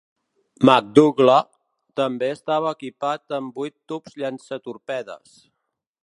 "McDougal" també estava equipat amb vuit tubs llançatorpedes.